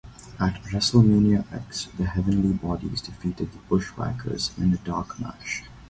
At WrestleMania X the Heavenly Bodies defeated the Bushwhackers in a dark match.